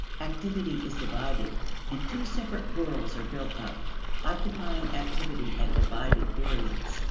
Activity is divided, and two separate worlds are built up, occupying activity at divided periods.